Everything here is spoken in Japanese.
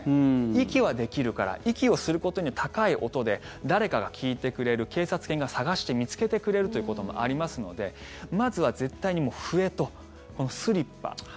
息はできるから息をすることによって高い音で誰かが聞いてくれる警察犬が捜して見つけてくれるということもありますのでまずは絶対に笛とスリッパ。